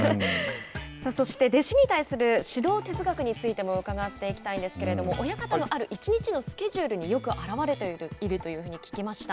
そして、弟子に対する指導哲学についても伺っていきたいんですけれども親方のある一日のスケジュールによく表れているというふうに聞きました。